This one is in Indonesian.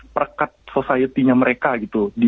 perkat society nya mereka gitu